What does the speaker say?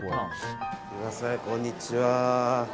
すみません、こんにちは。